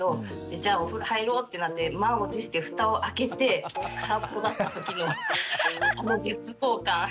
じゃあお風呂入ろうってなって満を持してふたを開けて空っぽだった時のこの絶望感。